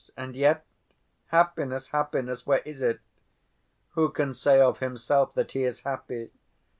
And yet—happiness, happiness—where is it? Who can say of himself that he is happy?